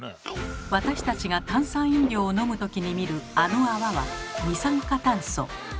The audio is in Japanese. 私たちが炭酸飲料を飲む時に見るあの泡は「二酸化炭素」。